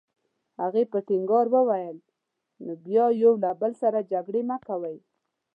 هغې په ټینګار وویل: نو بیا یو له بل سره جګړې مه کوئ.